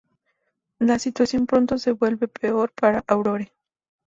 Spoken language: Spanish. La situación pronto se vuelve peor para Aurore.